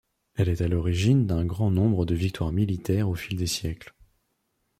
Elle est à l'origine d'un grand nombre de victoires militaires au fil des siècles.